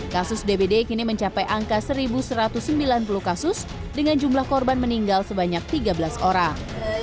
kasus dbd kini mencapai angka satu satu ratus sembilan puluh kasus dengan jumlah korban meninggal sebanyak tiga belas orang